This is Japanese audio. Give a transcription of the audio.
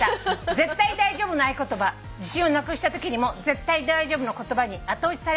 「『絶対大丈夫』の合言葉自信をなくしたときにも『絶対大丈夫』の言葉に後押しされます」